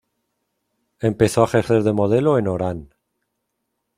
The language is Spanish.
Empezó a ejercer de modelo en Orán.